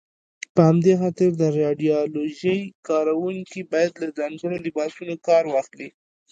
په همدې خاطر د راډیالوژۍ کاروونکي باید له ځانګړو لباسونو کار واخلي.